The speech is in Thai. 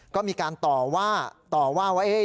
ก็มีการต่อว่าต่อว่าว่า